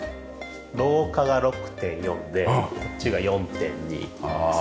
廊下が６．４でこっちが４．２ですね。